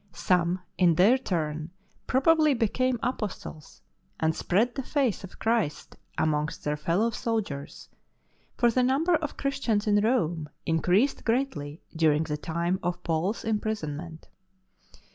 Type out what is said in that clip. Some in their turn probably became apostles, and spread the faith of Christ amongst their fellow soldiers, for the number of Christians in Rome increased greatly during the time of Paul's imprisonment.